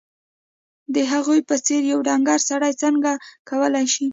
د هغه په څېر یو ډنګر سړی څنګه کولای شي